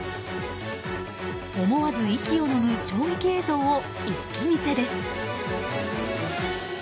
思わず息をのむ衝撃映像を一気見せです。